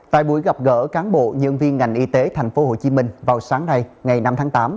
tại buổi gặp gỡ cán bộ nhân viên ngành y tế tp hcm vào sáng nay ngày năm tháng tám